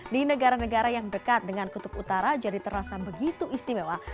di negara negara yang dekat dengan kutub utara jadi terasa begitu istimewa